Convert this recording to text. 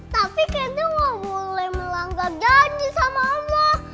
tapi kenzo gak boleh melanggar janji sama emak